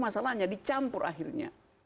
masalahnya dicampur akhirnya